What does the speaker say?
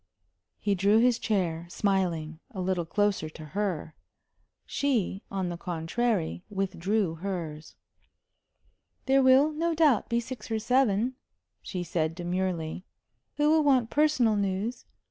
He drew his chair, smiling, a little closer to her. She, on the contrary, withdrew hers. "There will, no doubt, be six or seven," she said, demurely, "who will want personal news.